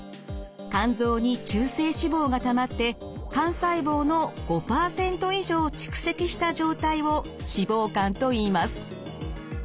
肝臓に中性脂肪がたまって肝細胞の５％以上蓄積した状態を脂肪肝といいます。